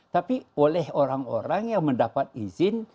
tapi oleh orang orang yang mendapat izin